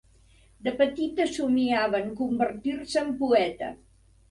De petita somiava en convertir-se en poeta.